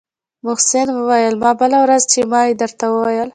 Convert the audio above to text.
محسن وويل ها بله ورځ چې مې درته وويل.